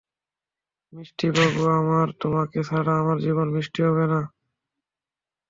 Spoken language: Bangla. মিষ্টি বাবু আমার, তোমাকে ছাড়া আমার জীবন মিষ্টি হবে না।